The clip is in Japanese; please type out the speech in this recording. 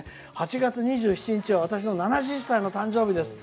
８月２７日は私の７０歳の誕生日です。